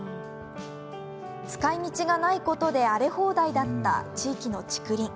使いみちがないことで荒れ放題だった地域の竹林。